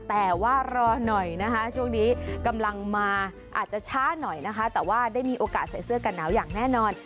แต่ว่ารอหน่อยนะคะช่วงนี้กำลังมาอาจจะช้าหน่อยนะคะแต่ว่าได้มีโอกาสใส่เสื้อกันหนาวอย่างแน่นอน